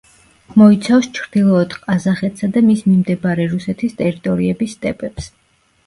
მოიცავს ჩრდილოეთ ყაზახეთსა და მის მიმდებარე რუსეთის ტერიტორიების სტეპებს.